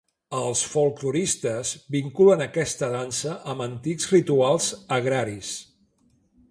Els folkloristes vinculen aquesta dansa amb antics rituals agraris.